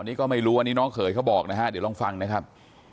นี่ก็ไม่รู้อันนี้น้องเขยเขาบอกนะฮะเดี๋ยวลองฟังนะครับ